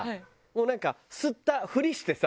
もうなんか吸ったふりしてさ。